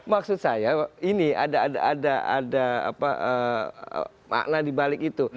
maksud saya ini ada makna dibalik itu